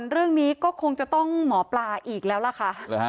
เรื่องนี้ก็คงจะต้องหมอปลาอีกแล้วล่ะค่ะ